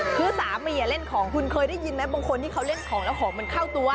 คือสามีเล่นของคุณเคยได้ยินไหมบางคนที่เขาเล่นของแล้วของมันเข้าตัว